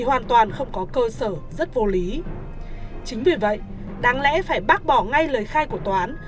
hoàn toàn không có cơ sở rất vô lý chính vì vậy đáng lẽ phải bác bỏ ngay lời khai của tòa án